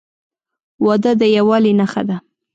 • واده د یووالي نښه ده.